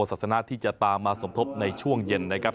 ศาสนาที่จะตามมาสมทบในช่วงเย็นนะครับ